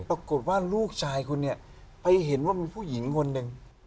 ปรากฏว่าลูกชายคุณเนี่ยไปเห็นว่ามีผู้หญิงคนหนึ่ง